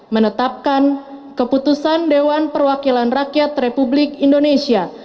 menetapkan keputusan dewan perwakilan rakyat republik indonesia